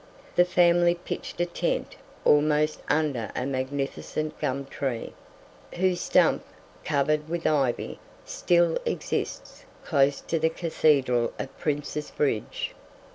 The family pitched a tent almost under a magnificent gum tree, whose stump, covered with ivy, still exists close to the Cathedral at Prince's Bridge.